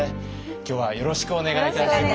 今日はよろしくお願いいたします。